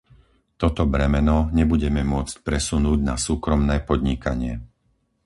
Toto bremeno nebudeme môcť presunúť na súkromné podnikanie.